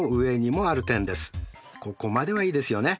ここまではいいですよね。